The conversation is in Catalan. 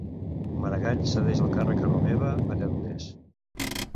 Maragall cedeix el càrrec a Romeva a Lledoners.